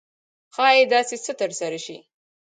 ښایي داسې څه ترسره شي.